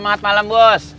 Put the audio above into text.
selamat malam bos